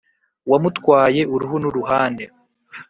wamutwaye uruhu nuruhande